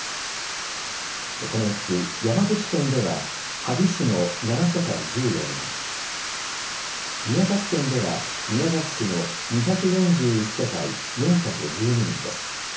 このうち山口県では、萩市の７世帯１４人、宮崎県では宮崎市の２４１世帯４１２人です。